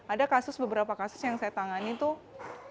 ada kasus beberapa kasus yang saya tangani tuh